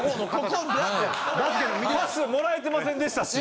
パスもらえてませんでしたし。